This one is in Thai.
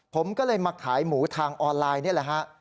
ผมก็เลยมาขายหมูทางออนไลน์นี่แหละฮะ